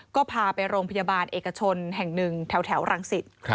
ก็พาไปโรงพยาบาลเอกชนแห่งหนึ่งแถวรังสิต